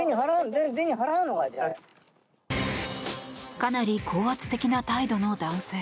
かなり高圧的な態度の男性。